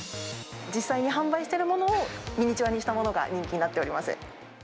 実際に販売してるものをミニチュアにしたものが人気になっております。